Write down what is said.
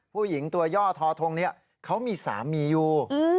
ผู้หญิงตัวย่อทอทงเนี่ยเขามีสามีอยู่